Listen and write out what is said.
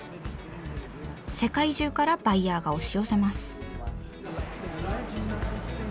世界中からバイヤーが押し寄せます。